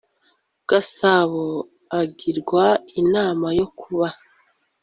gasabo agirwa inama yo kuba